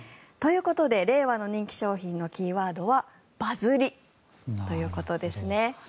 ということで令和の人気商品のキーワードはバズりということですね。